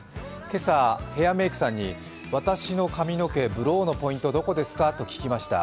今朝、ヘアメイクさんに私の髪の毛ブローのポイントどこですか？と聞きました。